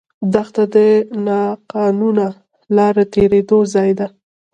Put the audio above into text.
دښته د ناقانونه لارو تېرېدو ځای ده.